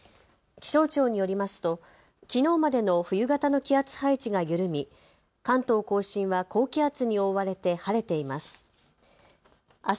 気象庁によりますときのうまでの冬型の気圧配置が緩み、関東甲信は高気圧に覆われて晴れています。